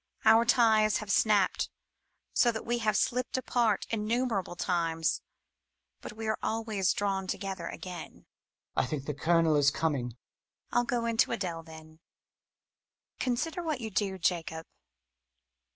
Our ties have snapped so that we have slipped apart innumerable times, but we are always drawn together again Hubcmel. I think the Colonel is coming. MuMMT. I'll go in to AdMe, then [Patue] Consider what you do, Jacob